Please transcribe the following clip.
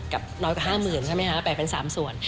กับน้อยกว่า๕๐๐๐๐บาทแบ่งเป็น๓ส่วน